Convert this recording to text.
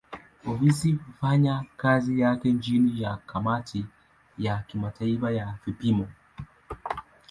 Ofisi hufanya kazi yake chini ya kamati ya kimataifa ya vipimo.